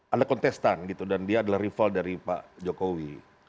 ada kontestan gitu dan dia adalah rival dari pak jokowi